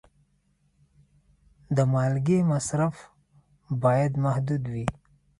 د مالګې مصرف باید محدود وي.